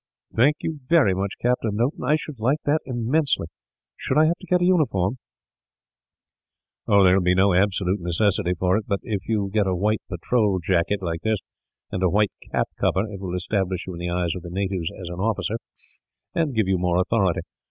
"Thank you very much, Captain Noton. I should like it immensely. Should I have to get a uniform?" "There will be no absolute necessity for it; but if you get a white patrol jacket, like this, and a white cap cover, it will establish you in the eyes of the natives as an officer, and give you more authority.